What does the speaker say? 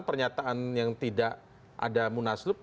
pernyataan yang tidak ada munaslup